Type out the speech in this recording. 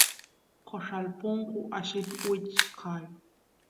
corral punku allit wichkay